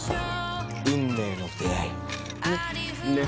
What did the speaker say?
運命の出会い。ね？